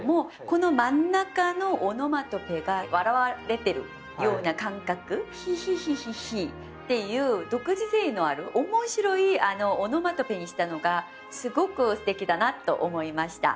この真ん中のオノマトペが笑われてるような感覚「ヒヒヒヒヒ」っていう独自性のある面白いオノマトペにしたのがすごくすてきだなと思いました。